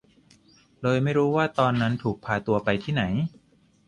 เลยไม่รู้ว่าตอนนั้นถูกพาตัวไปที่ไหน